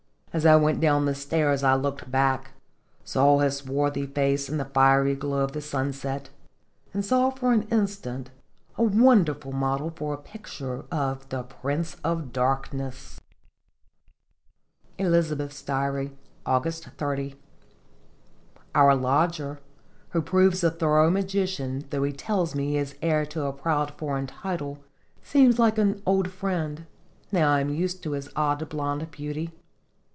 As I went down the stairs I looked back, saw his swarthy face in the fiery glow of the sunset, and saw for an instant a wonderful model for a picture of the Prince of Darkness. 46 Singcb 4Jl0tl)0. ELIZABETH'S DIARY. August jo. Our lodger, who proves a thorough musician though he tells me he is heir to a proud foreign title seems like an old friend, now I am used to his odd blonde beauty.